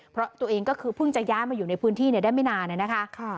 เพราะตัวเองก็คือเพิ่งจะย้ายมาอยู่ในพื้นที่ได้ไม่นานนะคะ